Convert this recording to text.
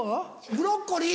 ブロッコリー！